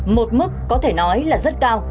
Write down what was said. một mức có thể nói là rất cao